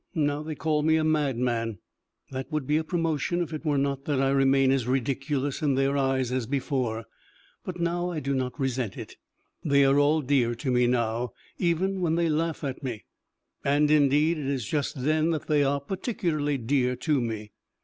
Now they call me a madman. That would be a promotion if it were not that I remain as ridiculous in their eyes as before. But now I do not resent it, they are all dear to me now, even when they laugh at me and, indeed, it is just then that they are particularly dear to me.